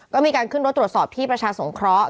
ก็มีการขึ้นรถตรวจสอบที่ประชาสงเคราะห์